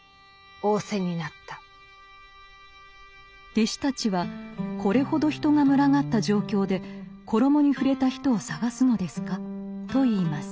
弟子たちは「これほど人が群がった状況で衣に触れた人を探すのですか？」と言います。